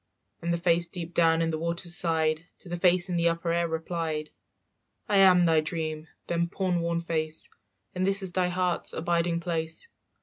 And the face deep down in the water's side To the face in the upper air replied, "I am thy dream, them poor worn face, And this is thy heart's abiding place.